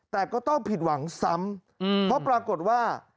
แต่ก็ต้องผิดหวังซ้ำเพราะปรากฏว่า